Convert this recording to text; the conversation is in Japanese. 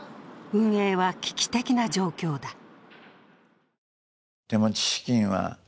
運営は危機的な状況だ。